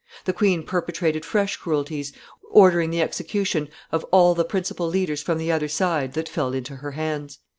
The queen perpetrated fresh cruelties, ordering the execution of all the principal leaders from the other side that fell into her hands.